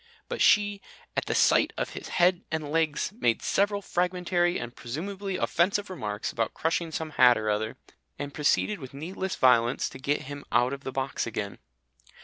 But she, at the sight of his head and legs, made several fragmentary and presumably offensive remarks about crushing some hat or other, and proceeded with needless violence to get him out of the box again.